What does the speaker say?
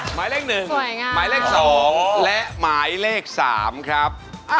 หมายเลข๑หมายเลข๒และหมายเลข๓ครับ